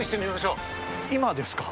今ですか？